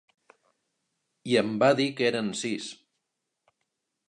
I em va dir que eren sis.